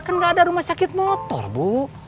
kan nggak ada rumah sakit motor bu